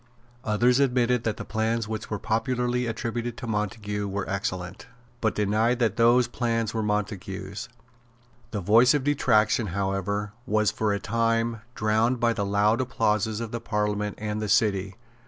Others admitted that the plans which were popularly attributed to Montague were excellent, but denied that those plans were Montague's. The voice of detraction, however, was for a time drowned by the loud applauses of the Parliament and the City.